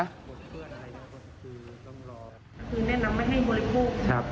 คือน้ำไม่ให้บริโภค